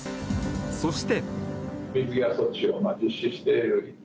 そして。